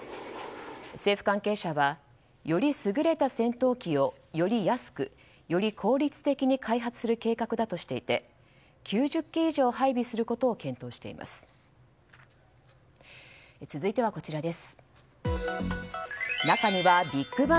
政府関係者はより優れた戦闘機をより安く、より効率的に開発する計画だとしていて９０機以上配備することを検討しています。